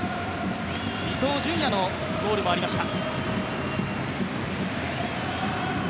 伊東純也のゴールもありました。